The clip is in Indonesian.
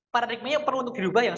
paradigmenya perlu untuk dilubah yang